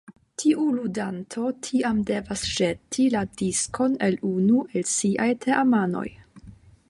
Tiu ludanto tiam devas ĵeti la diskon al unu el siaj teamanoj.